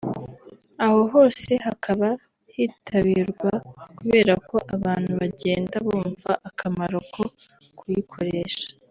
aho hose hakaba hitabirwa kubera ko abantu bagenda bumva akamaro ko kuyikoresha